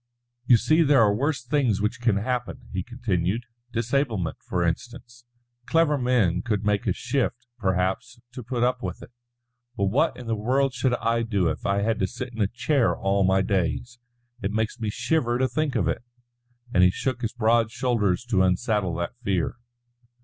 "You see there are worse things which can happen," he continued; "disablement, for instance. Clever men could make a shift, perhaps, to put up with it. But what in the world should I do if I had to sit in a chair all my days? It makes me shiver to think of it," and he shook his broad shoulders to unsaddle that fear.